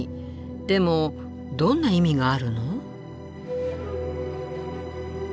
でもどんな意味があるの？